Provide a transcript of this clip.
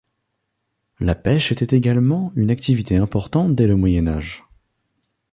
La pêche était également une activité importante dès le Moyen Âge.